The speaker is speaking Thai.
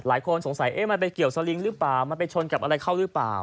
หลายคนสงสัยมันไปเกี่ยวสลิงหรือเปล่ามันไปชนกับอะไรเข้าหรือเปล่า